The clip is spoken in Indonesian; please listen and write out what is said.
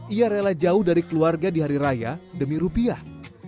ia rela jauh dari keluarga di hari raya demi rupiah